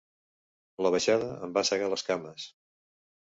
La baixada em va segar les cames.